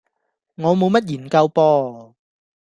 我冇乜研究噃